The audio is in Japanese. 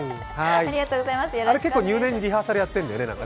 あれ結構、入念にリハーサルやってるんだよね。